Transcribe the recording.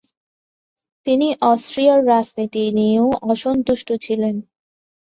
তিনি অস্ট্রিয়ার রাজনীতি নিয়েও অসন্তুষ্ট ছিলেন।